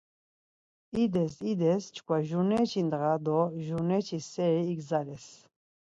İdes ides çkva jurneçi ndğa do jurneçi seri igzales.